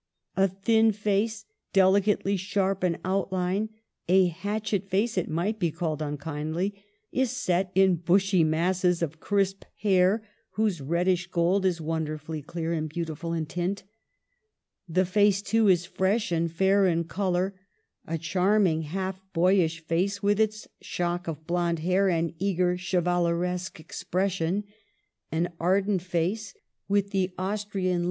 A thin face, delicately sharp in outline, a hatchet face it might be called unkindly, is set in bushy masses of crisp hair, whose reddish gold is wonderfully clear and beautiful in tint. The face, too, is fresh and fair in color. A charming, half boyish face, with its shock of blond hair and eager chevaleresque expression ; an ardent face, with the Austrian THE CAPTIVITY.